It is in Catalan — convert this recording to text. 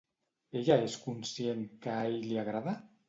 Ella és conscient que a ell li agrada?